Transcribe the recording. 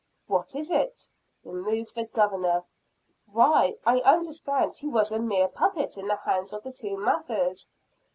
"What is it?" "Remove the Governor." "Why, I understood he was a mere puppet in the hands of the two Mathers."